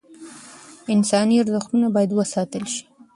انساني ارزښتونه باید وساتل شي.